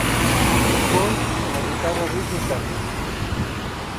Guns en la guitarra rítmica.